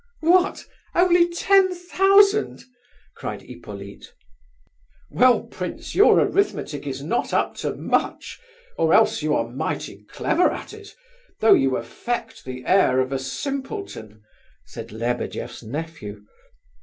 "What, only ten thousand!" cried Hippolyte. "Well, prince, your arithmetic is not up to much, or else you are mighty clever at it, though you affect the air of a simpleton," said Lebedeff's nephew.